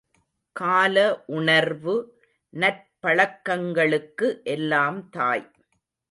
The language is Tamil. கால உணர்வு நற்பழக்கங்களுக்கு எல்லாம் தாய்.